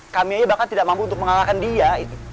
kami aja bahkan tidak mampu untuk mengalahkan dia